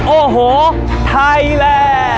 โอ้โหไทยแหล่ะ